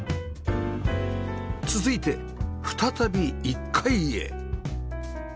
続いて再び１階へ